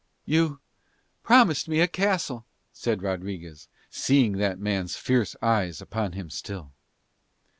"You promised me a castle," said Rodriguez, seeing that man's fierce eyes upon him still.